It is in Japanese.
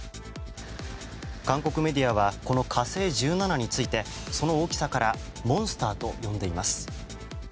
韓国メディアはこの「火星１７」についてその大きさからモンスターと呼んでいます。